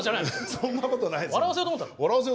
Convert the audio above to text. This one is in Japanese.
そんなことないですよ。